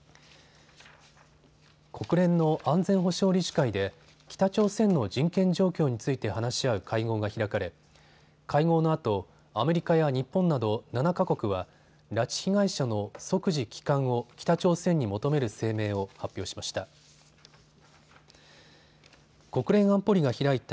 国連の安全保障理事会で北朝鮮の人権状況について話し合う会合が開かれ会合のあとアメリカや日本など７か国は拉致被害者の即時帰還を北朝鮮に求める声明を発表しました。